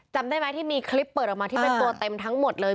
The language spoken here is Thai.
จำได้ไหมที่มีคลิปเปิดออกมาที่เป็นตัวเต็มทั้งหมดเลย